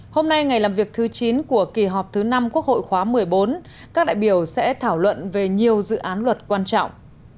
hôm nay ngày làm việc thứ chín của kỳ họp thứ năm quốc hội khóa một mươi bốn các đại biểu sẽ thảo luận về nhiều dự án luật quan trọng